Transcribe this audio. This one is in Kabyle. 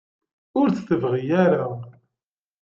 Ur tt-tebɣi ara.